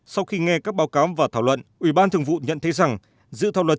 sau khi nghe các báo cáo và thảo luận ủy ban thường vụ nhận thấy rằng dự thảo luật